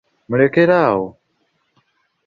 Mulekere awo!